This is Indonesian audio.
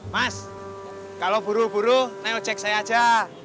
mas kalo buru buru nel cek saya aja